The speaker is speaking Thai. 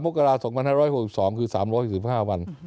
๑๓โมกรา๒๕๖๒คือ๓๖๕วัน